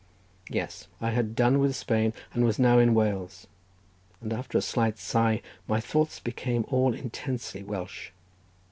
Yes, I had done with Spain, and was now in Wales; and, after a slight sigh, my thoughts became all intensely Welsh.